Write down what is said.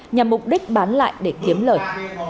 nhằm mục đích bán lại để kiếm lợi